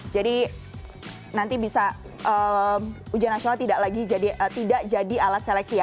jadi nanti bisa ujian nasional tidak lagi jadi tidak jadi alat seleksi ya